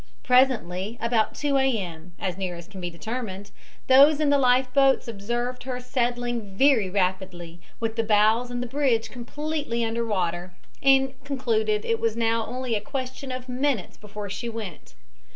Presently, about 2 A. M., as near as can be determined, those in the life boats observed her settling very rapidly with the bows and the bridge completely under water, and concluded it was now only a question of minutes before she went.